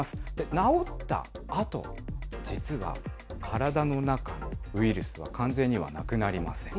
治ったあと、実は体の中のウイルスは完全にはなくなりません。